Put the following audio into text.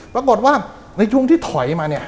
ปรากฏว่าในช่วงที่ถอยมา